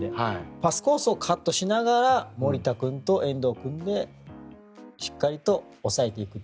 パスコートをカットしながら守田君と遠藤君でしっかりと抑えていく。